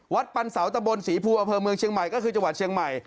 ปันเสาตะบนศรีภูอำเภอเมืองเชียงใหม่ก็คือจังหวัดเชียงใหม่